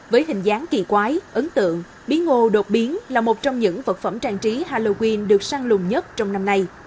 với hình dáng kỳ quái ấn tượng bí ngô đột biến là một trong những vật phẩm trang trí halloween được săn lùng nhất trong năm nay